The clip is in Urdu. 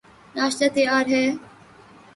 ناشتہ تیار ہے